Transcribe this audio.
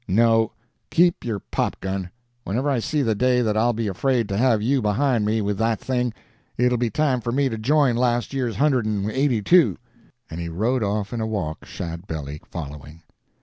No keep your pop gun; whenever I see the day that I'll be afraid to have you behind me with that thing, it 'll be time for me to join last year's hundred and eighty two"; and he rode off in a walk, Shadbelly following.